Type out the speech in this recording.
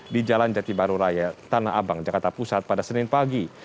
di jalan jati baru raya tanah abang jakarta pusat pada senin pagi